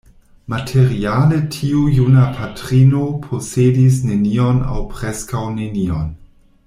Materiale tiu juna patrino posedis nenion, aŭ preskaŭ nenion.